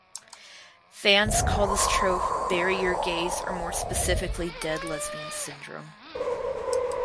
Fans call this trope "bury your gays" or more specifically "dead lesbian syndrome".